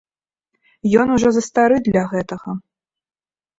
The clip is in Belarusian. Ён ужо застары для гэтага.